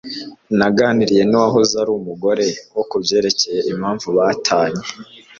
Naganiriye nuwahoze ari umugore wa kubyerekeye impamvu batanye.